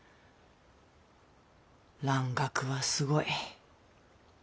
蘭学はすごい。